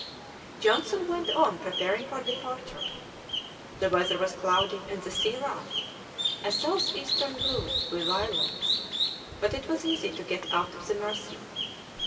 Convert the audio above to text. Johnson went on preparing for departure. The weather was cloudy and the sea rough; a south easter blew with violence, but it was easy to get out of the Mersey.